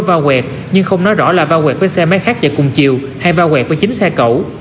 vao quẹt nhưng không nói rõ là vao quẹt với xe máy khác chạy cùng chiều hay vao quẹt với chính xe cẩu